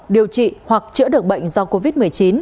điều trị hoặc chữa được bệnh do covid một mươi chín